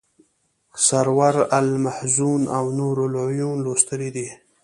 سرور المحزون او نور العیون لوستلی دی.